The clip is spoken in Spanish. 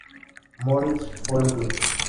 Moritz Polo Club.